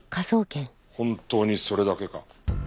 本当にそれだけか？